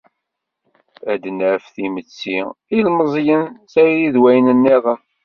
Ad naf Timetti, ilmeẓyen, tayri d wayen-nniḍen.